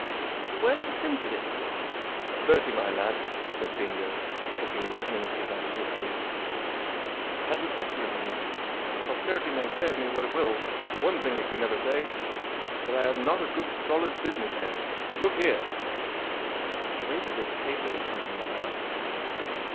1 But where's the sense of it ?"" Bertie, my lad," said Bingo, taking me earnestly by the coat sleeve, " I had an excellent reason, Posterity may say of me what it will, but one thing it can never say— that I have not a good solid business head. Look here !" He waved a bit of paper in front of my eyes.